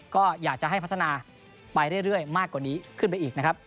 ก็อยากจะให้พัฒนาไปเรื่อยมากกว่านี้ขึ้นไปอีกนะครับ